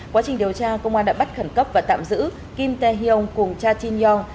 quá trình điều tra công an đã bắt khẩn cấp và tạm giữ kim tê hương cùng cha chin yong